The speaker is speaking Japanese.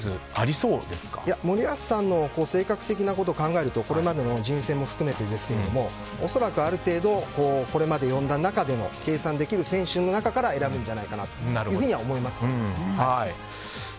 森保さんの性格的なことを考えるとこれまでの人選も含めてですけど恐らく、ある程度これまで呼んだ中での計算できる選手の中から選ぶんじゃないかなとは思います。